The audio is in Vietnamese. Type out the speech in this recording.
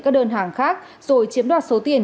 các đơn hàng khác rồi chiếm đoạt số tiền